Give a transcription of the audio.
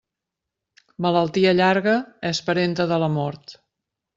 Malaltia llarga és parenta de la mort.